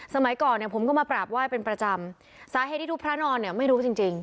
สมัยก่อนเนี่ยผมก็มากราบไหว้เป็นประจำสาเหตุที่ทุกพระนอนเนี่ยไม่รู้จริงจริง